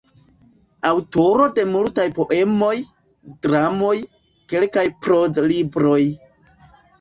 Aŭtoro de multaj poemoj, dramoj, kelkaj proz-libroj.